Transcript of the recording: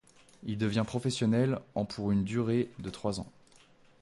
Il devient professionnel en pour une durée de trois ans.